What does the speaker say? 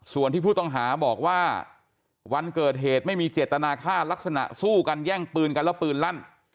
ส่วนที่ผู้ต้องหาบอกว่าวันเกิดเหตุไม่มีเจตนาฆ่าลักษณะสู้กันแย่งปืนกันแล้วปืนลั่น